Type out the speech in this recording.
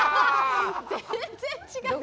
全然違う！